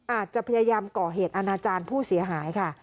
อาจจะพยายามก่อเหตุอาณาจารย์ผู้เสียหายค่ะ